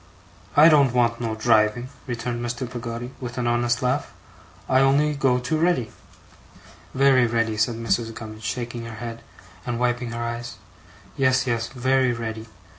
I don't want no driving,' returned Mr. Peggotty with an honest laugh. 'I only go too ready.' 'Very ready,' said Mrs. Gummidge, shaking her head, and wiping her eyes. 'Yes, yes, very ready.